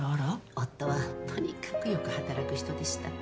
夫はとにかくよく働く人でした。